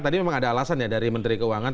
tadi memang ada alasan ya dari menteri keuangan